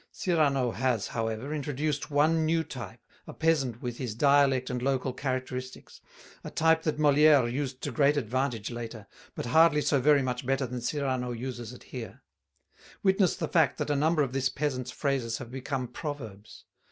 Cyrano has, however, introduced one new type a peasant with his dialect and local characteristics: a type that Molière used to great advantage later, but hardly so very much better than Cyrano uses it here; witness the fact that a number of this peasant's phrases have become proverbs.